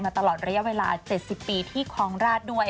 ตลอดระยะเวลา๗๐ปีที่คลองราชด้วย